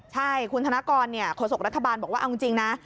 ใช่คุณธนกรโฆษกรัฐบาลบอกว่าเอาจริงนะ